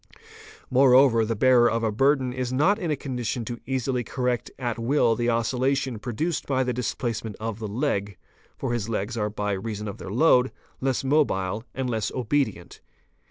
More ver the bearer of a burden is not in a condition to easily correct at fill the oscillation produced by the displacement of the leg, for his legs ' a fiw wih += ey ne eee rh el Paes Oa eae re by reason of their load less mobile and less obedient.